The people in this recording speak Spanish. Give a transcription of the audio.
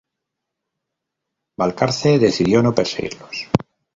Balcarce decidió no perseguirlos.